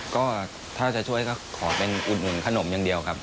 ก็ถ้าจะช่วยก็ขอเป็นอุดหนุนขนมอย่างเดียวครับ